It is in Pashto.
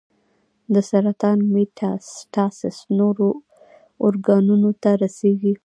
د سرطان میټاسټاسس نورو ارګانونو ته رسېږي.